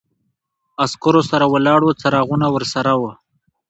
عسکرو سره ولاړ و، څراغونه ورسره و.